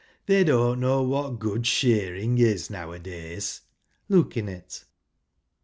they don't know what good shearing is now a days" look in it.